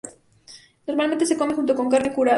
Normalmente se come junto con carne curada.